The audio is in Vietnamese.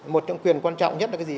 một trong quyền quan trọng nhất là cái gì